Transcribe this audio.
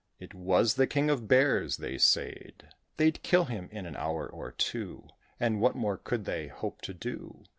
It was the King of Bears, they said: They'd kill him in an hour or two, And what more could they hope to do?